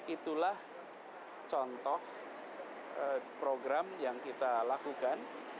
itulah contoh program yang kita lakukan